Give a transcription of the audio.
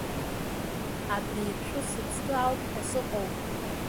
Ари ибшәу сыҵкы ауп ҳәа сыҟоуп.